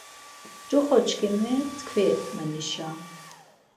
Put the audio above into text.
Coxoçkimi tkvi manişa!